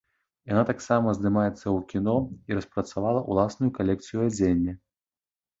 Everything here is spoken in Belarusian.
Яна таксама здымаецца ў кіно і распрацавала ўласную калекцыю адзення.